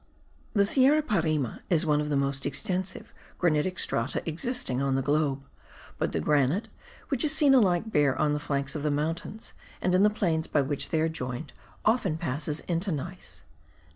The Sierra Parime is one of the most extensive granitic strata existing on the globe;* but the granite, which is seen alike bare on the flanks of the mountains and in the plains by which they are joined, often passes into gneiss.